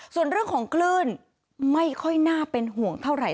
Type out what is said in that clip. ส่วนเรื่องของคลื่นไม่ค่อยน่าเป็นห่วงเท่าไหร่